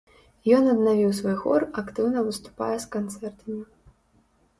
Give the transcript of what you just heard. Ён аднавіў свой хор, актыўна выступае з канцэртамі.